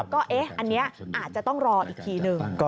ก็อันนี้อาจจะต้องรออีกทีหนึ่ง